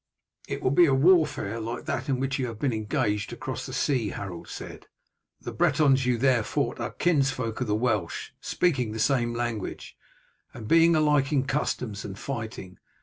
"It will be a warfare like that in which you have been engaged across the sea," Harold said. "The Bretons you there fought with are kinsfolk of the Welsh, speaking the same language, and being alike in customs and in fighting.